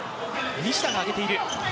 西田が上げている。